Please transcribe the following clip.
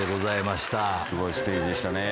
すごいステージでしたね。